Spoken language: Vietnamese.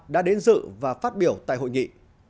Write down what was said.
đã đến dự và phát biểu tại hội nghị